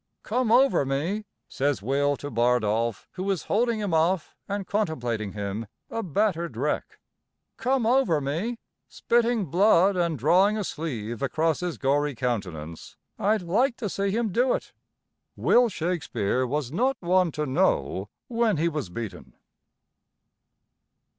"Come over me!" says Will to Bardolph who is holding him off and contemplating him, a battered wreck. "Come over me!" spitting blood and drawing a sleeve across his gory countenance, "I'd like to see him do it!" Will Shakespeare was not one to know when he was beaten.